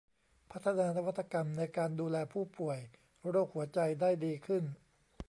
พัฒนานวัตกรรมในการดูแลผู้ป่วยโรคหัวใจได้ดีขึ้น